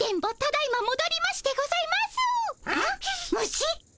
虫？